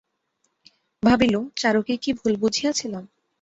ভাবিল, চারুকে কী ভুল বুঝিয়াছিলাম।